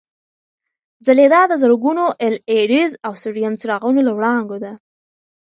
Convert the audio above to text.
ځلېدا د زرګونو اېل ای ډیز او سوډیم څراغونو له وړانګو ده.